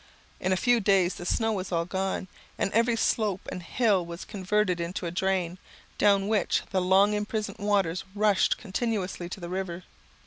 In a few days the snow was all gone, and every slope and hill was converted into a drain, down which the long imprisoned waters rushed continuously to the river.